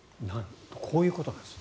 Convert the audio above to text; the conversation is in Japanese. こういうことなんです。